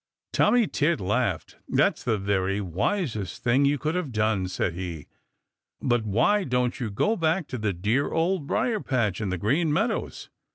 Tommy Tit laughed. "That's the very wisest thing you could have done," said he. "But why don't you go back to the dear Old Briar patch in the Green Meadows?"